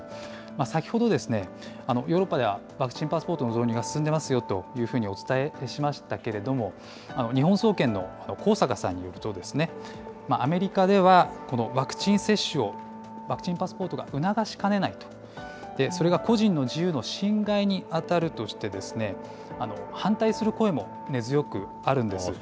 先ほど、ヨーロッパではワクチンパスポートの導入が進んでますよというふうにお伝えしましたけれども、日本総研の高坂さんによると、アメリカでは、ワクチン接種を、ワクチンパスポートが促しかねない、それが個人の自由の侵害に当たるとして、反対する声も根強くあるんです。